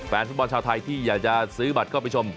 แฟนฟุตบอลชาวไทยที่อยากจะซื้อบัตรเข้าไปชม